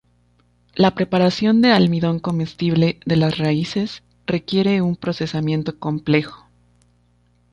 La preparación de almidón comestible de las raíces requiere un procesamiento complejo.